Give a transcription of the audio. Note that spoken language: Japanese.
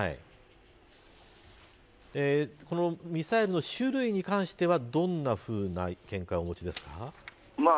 かなり高く撃ち上げてミサイルの種類に関してはどんなふうな見解をお持ちですか。